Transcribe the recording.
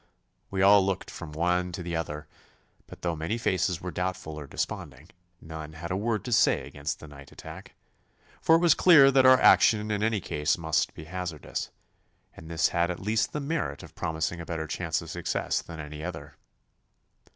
We all looked from one to the other, but though many faces were doubtful or desponding, none had a word to say against the night attack, for it was clear that our action in any case must be hazardous, and this had at least the merit of promising a better chance of success than any other.